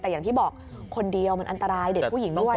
แต่อย่างที่บอกคนเดียวมันอันตรายเด็กผู้หญิงด้วย